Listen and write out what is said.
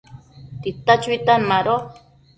tita chuitan mado